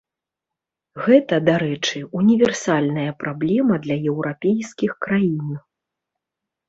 Гэта, дарэчы, універсальная праблема для еўрапейскіх краін.